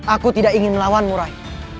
aku tidak ingin melawanmu rai